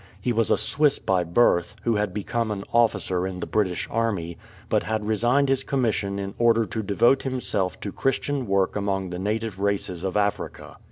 He was a Swiss by birth, who had become an officer in the British Army, but had resigned his commis sion in order to devote himself to Christian work among the native races of Africa.